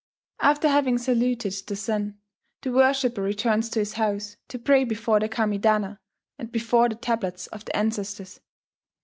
After having saluted the sun, the worshipper returns to his house, to pray before the Kamidana and before the tablets of the ancestors.